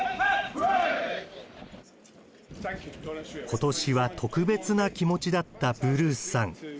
今年は特別な気持ちだったブルースさん。